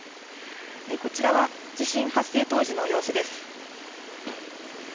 こちらは地震発生当時の様子です。